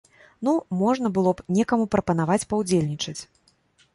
Ну, можна было б некаму прапанаваць паўдзельнічаць.